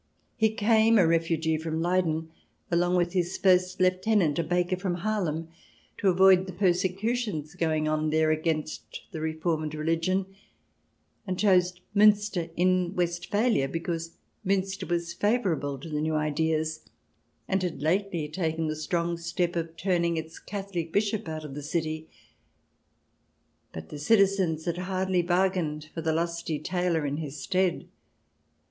He came, a refugee from Leyden, along with his first lieutenant, a baker from Haarlem, to avoid the persecutions going on there against the Reformed Religion, and chose Miinster in Westphalia, because Miinster was favourable to the new ideas, and had lately taken the strong step of turning its Catholic Bishop out of the city. But the citizens had hardly bargained for the lusty tailor in his stead.